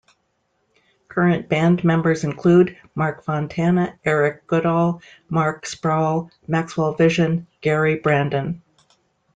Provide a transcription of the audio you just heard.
Current band members include: Mark Fontana, Erik Godal, Mark Sproull, Maxwellvision, Gary Brandin.